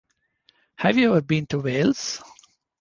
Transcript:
Have you ever been to Wales?